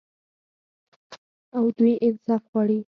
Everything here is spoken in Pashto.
او دوی انصاف غواړي.